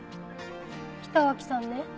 北脇さんね